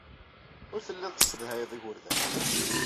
Ur telliḍ tessedhayeḍ igerdan.